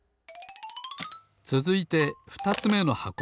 つづいてふたつめの箱。